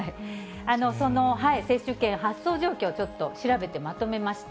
その接種券発送状況、ちょっと調べてまとめました。